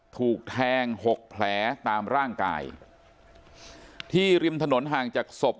ถูกแทงหกแผลตามร่างกายที่ริมถนนห่างจากศพ